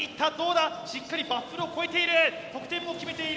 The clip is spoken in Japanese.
しっかりバッフルを越えている。